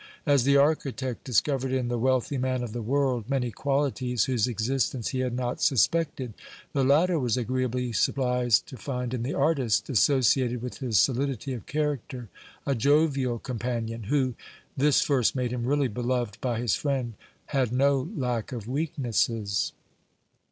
As the architect discovered in the wealthy man of the world many qualities whose existence he had not suspected, the latter was agreeably surprised to find in the artist, associated with his solidity of character, a jovial companion, who this first made him really beloved by his friend had no lack of weaknesses.